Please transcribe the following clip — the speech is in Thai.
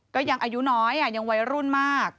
ก็ยังอายุน้อยอ่ะยังวัยรุ่นมาก